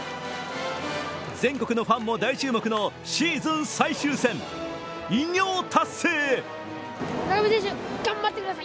全国のファンも大注目のシーズン最終戦、偉業達成へ。